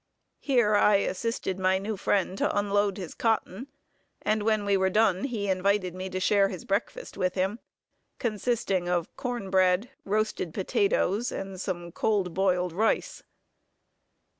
Here I assisted my new friend to unload his cotton, and when we were done he invited me to share his breakfast with him, consisting of corn bread, roasted potatoes, and some cold boiled rice.